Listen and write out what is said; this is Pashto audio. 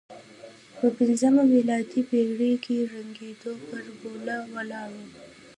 په پځمه میلادي پېړۍ کې ړنګېدو پر پوله ولاړ و.